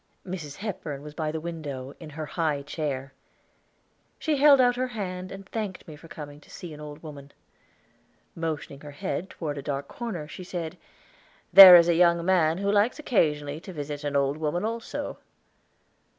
Mrs. Hepburn was by the window, in her high chair. She held out her hand and thanked me for coming to see an old woman. Motioning her head toward a dark corner, she said, "There is a young man who likes occasionally to visit an old woman also."